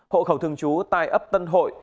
hộ khẩu thường chú tại ấp tân hội